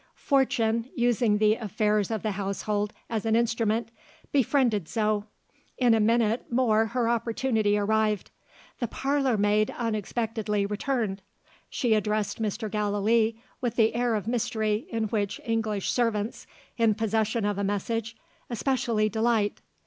Fortune, using the affairs of the household as an instrument, befriended Zo. In a minute more her opportunity arrived. The parlour maid unexpectedly returned. She addressed Mr. Gallilee with the air of mystery in which English servants, in possession of a message, especially delight.